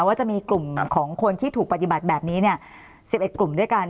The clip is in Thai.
ว่าจะมีกลุ่มของคนที่ถูกปฏิบัติแบบนี้๑๑กลุ่มด้วยกัน